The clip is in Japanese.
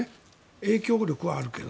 影響力はあるけど。